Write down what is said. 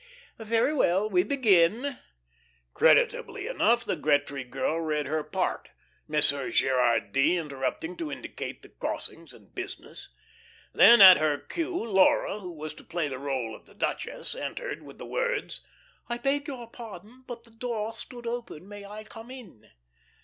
Very well, we begin." Creditably enough the Gretry girl read her part, Monsieur Gerardy interrupting to indicate the crossings and business. Then at her cue, Laura, who was to play the role of the duchess, entered with the words: "I beg your pardon, but the door stood open. May I come in?"